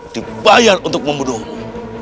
dibayar untuk membunuhmu